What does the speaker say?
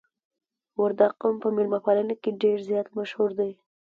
وردګ قوم په میلمه پالنه کې ډیر زیات مشهور دي.